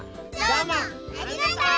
どうもありがとう！